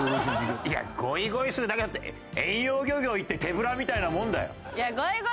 「いやゴイゴイスーだけだって遠洋漁業行って手ぶらみたいなもんだよ」。